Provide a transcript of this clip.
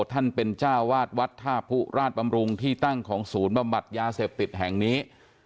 ท่านเป็นเจ้าวาดวัดท่าผู้ราชบำรุงที่ตั้งของศูนย์บำบัดยาเสพติดแห่งนี้